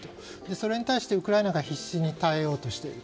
それに対してウクライナが必死に耐えようとしている。